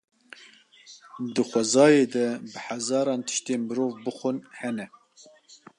Di xwezayê de bi hezaran tiştên mirov bixwin hene.